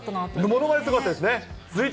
ものまねすごかったですね。